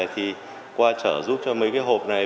thì qua trở giúp cho mấy cái hộp này